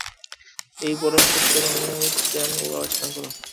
এই পরম সত্যের অনুধ্যান ও আলোচনা কর।